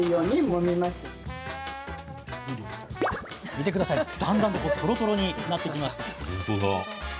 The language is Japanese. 見てください、だんだんトロトロになってきました。